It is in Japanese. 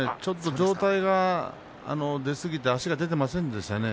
上体が出すぎて足が出ていませんでしたね。